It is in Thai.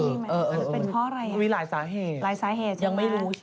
หลายสาเหตุใช่ไหม